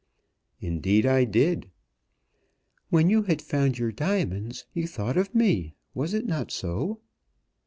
"Indeed I did." "When you had found your diamonds, you thought of me, was it not so?"